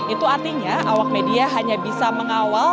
itu artinya awak media hanya bisa mengawal